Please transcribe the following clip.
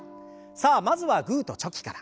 さあまずはグーとチョキから。